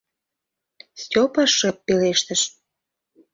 — Степа шып пелештыш.